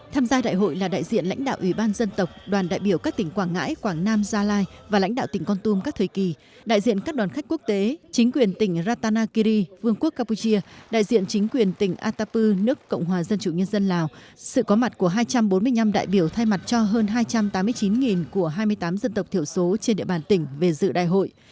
tham gia đại hội là đại diện lãnh đạo ủy ban dân tộc đoàn đại biểu các tỉnh quảng ngãi quảng nam gia lai và lãnh đạo tỉnh con tum các thời kỳ đại diện các đoàn khách quốc tế chính quyền tỉnh ratanakiri vương quốc cappuchia đại diện chính quyền tỉnh atapu nước cộng hòa dân chủ nhân dân lào sự có mặt của hai trăm bốn mươi năm đại biểu thay mặt cho hơn hai trăm tám mươi chín của hai mươi tám dân tộc thiểu số trên địa bàn tỉnh về dự đại hội